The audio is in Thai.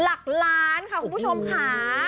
หลักล้านค่ะคุณผู้ชมค่ะ